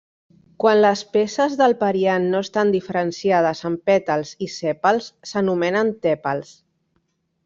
Quan les peces del periant no estan diferenciades en pètals i sèpals s'anomenen tèpals.